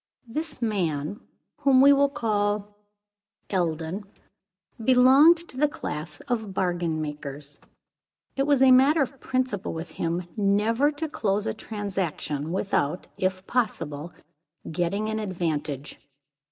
This man, whom we will call Eldon, belonged to the class of bargain makers. It was a matter of principle with him never to close a transaction without, if possible, getting an advantage.